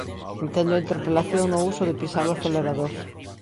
Entendo a interpelación no uso de pisar o acelerador.